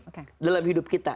terbaik dalam hidup kita